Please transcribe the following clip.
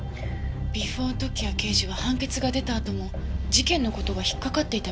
ビフォー時矢刑事は判決が出たあとも事件の事が引っかかっていたみたいですね。